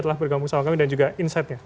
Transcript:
telah bergabung sama kami dan juga insight nya